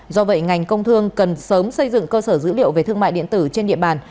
do vậy ngành công thương cần sớm xây dựng cơ sở dữ liệu về thương mại điện tử trên địa bàn